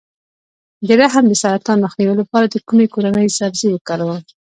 د رحم د سرطان مخنیوي لپاره د کومې کورنۍ سبزي وکاروم؟